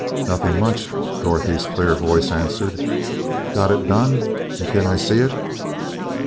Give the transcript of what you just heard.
"Nothing much," Dorothy's clear voice answered. "Got it done and can I see it?"